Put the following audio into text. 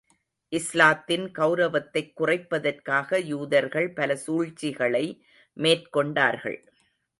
இஸ்லாத்தின் கெளரவத்தைக் குறைப்பதற்காக, யூதர்கள் பல சூழ்ச்சிகளை மேற்கொண்டார்கள்.